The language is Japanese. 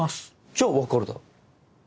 じゃあ分かるだろ。